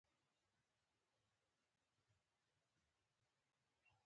پیسې، سټوډیو او مسلکي ټیم نور اړین نه دي.